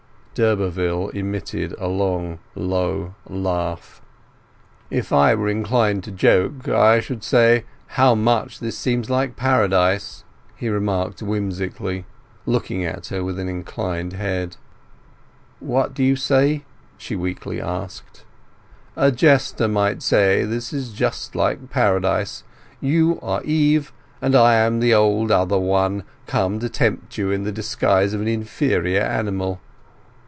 D'Urberville emitted a low, long laugh. "If I were inclined to joke, I should say, How much this seems like Paradise!" he remarked whimsically, looking at her with an inclined head. "What do you say?" she weakly asked. "A jester might say this is just like Paradise. You are Eve, and I am the old Other One come to tempt you in the disguise of an inferior animal.